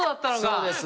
そうです。